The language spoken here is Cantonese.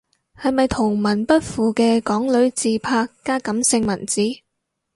係咪圖文不符嘅港女自拍加感性文字？